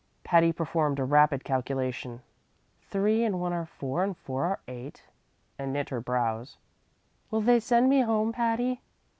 Patty performed a rapid calculation, "three and one are four and four are eight," and knit her brows. "Will they send me home, Patty?"